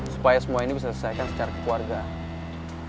supaya semua ini bisa diselesaikan secara kekeluargaan